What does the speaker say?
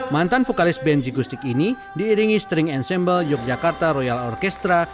mantan vokalis band jigustik ini diiringi string ensemble yogyakarta royal orchestra